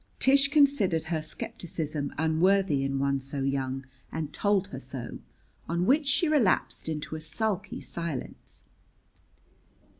Tish considered her skepticism unworthy in one so young, and told her so; on which she relapsed into a sulky silence.